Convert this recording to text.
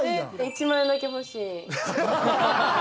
１万円だけ欲しい。